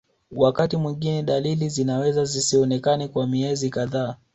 Wakati mwingine dalili zinaweza zisionekane kwa miezi kadhaa